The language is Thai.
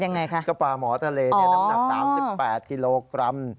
ยังไงคะก็ปลาหมอทะเลเนี่ยน้ำหนัก๓๘กิโลกรัม